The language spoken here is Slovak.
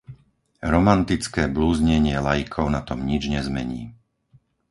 Romantické blúznenie laikov na tom nič nezmení.